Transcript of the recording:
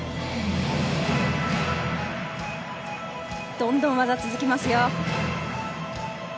どんどん技が続きますよ。